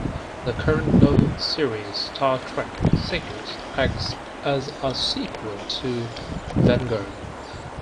The current novel series "Star Trek: Seekers" acts as a sequel to "Vanguard".